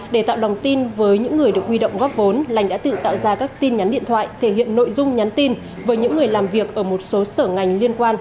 để tạo lòng tin với những người được huy động góp vốn lành đã tự tạo ra các tin nhắn điện thoại thể hiện nội dung nhắn tin với những người làm việc ở một số sở ngành liên quan